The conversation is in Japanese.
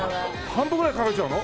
半分ぐらいかけちゃうの？